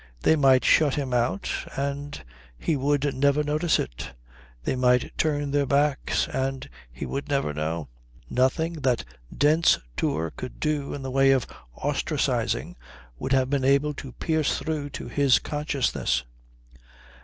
They might shut him out, and he would never notice it; they might turn their backs, and he would never know. Nothing that Dent's Tour could do in the way of ostracizing would have been able to pierce through to his consciousness.